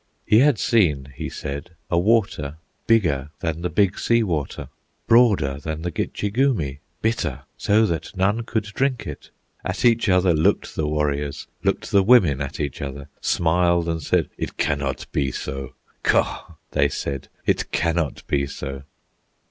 He had seen, he said, a water Bigger than the Big Sea Water, Broader than the Gitche Gumee, Bitter so that none could drink it! At each other looked the warriors, Looked the women at each other, Smiled, and said, "It cannot be so!" Kaw!" they said, "it cannot be so!"